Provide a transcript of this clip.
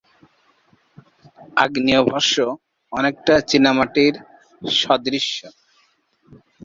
আগ্নেয়ভস্ম অনেকটা চীনামাটি সদৃশ।